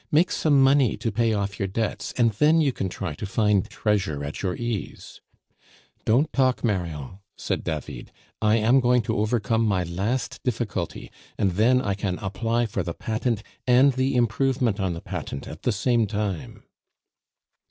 Make some money to pay off your debts, and then you can try to find treasure at your ease " "Don't talk, Marion," said David; "I am going to overcome my last difficulty, and then I can apply for the patent and the improvement on the patent at the same time."